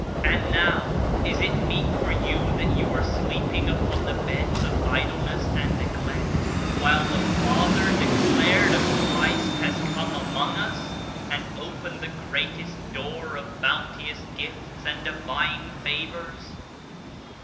And now, Is It meef for you that you are sleeping upon the beds of idle ness and neglect while the Father (declared) of Christ has come among us and opened the Greatest Door of bounteous gifts and divine fav^ors?